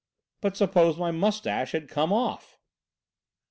"But suppose my moustache had come off?"